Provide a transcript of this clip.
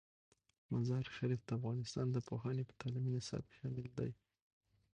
مزارشریف د افغانستان د پوهنې په تعلیمي نصاب کې شامل دی.